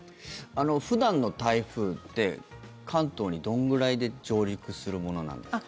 普段の台風って関東にどんぐらいで上陸するものなんですか？